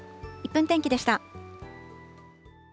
１分天気でした。